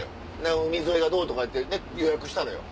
海沿いがどうとかで予約したのよ。